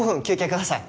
ください